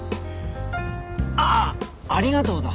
ああ「ありがとう」だ！